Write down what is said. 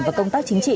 và công tác chính trị